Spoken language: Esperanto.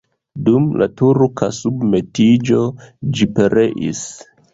Dum la turka submetiĝo ĝi pereis.